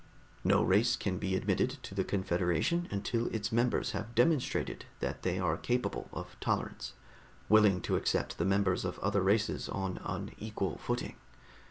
No race can be admitted to the Confederation until its members have demonstrated that they are capable of tolerance, willing to accept the members of other races on an equal footing.